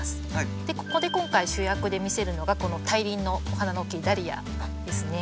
ここで今回主役で見せるのがこの大輪のお花の大きいダリアですね。